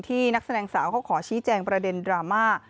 นักแสดงสาวเขาขอชี้แจงประเด็นดราม่า